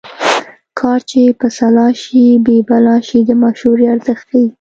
کار چې په سلا شي بې بلا شي د مشورې ارزښت ښيي